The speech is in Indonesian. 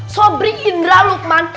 sobri indra lukman